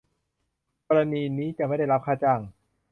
กรณีนี้จะไม่ได้รับค่าจ้าง